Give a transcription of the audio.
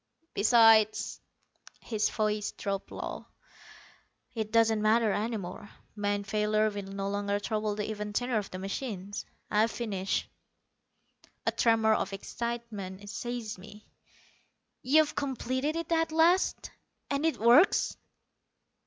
Besides" his voice dropped low "it doesn't matter any more. Man failure will no longer trouble the even tenor of the machines. I've finished." A tremor of excitement seized me. "You've completed it at last? And it works?"